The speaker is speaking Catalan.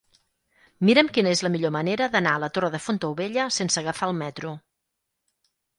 Mira'm quina és la millor manera d'anar a la Torre de Fontaubella sense agafar el metro.